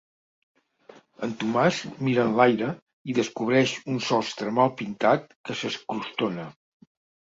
El Tomàs mira enlaire i descobreix un sostre mal pintat que s'escrostona.